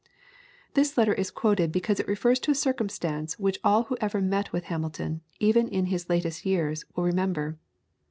This letter is quoted because it refers to a circumstance which all who ever met with Hamilton, even in his latest years, will remember.